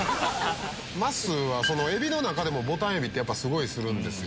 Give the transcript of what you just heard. まっすーはエビの中でもボタンエビすごいするんですよ。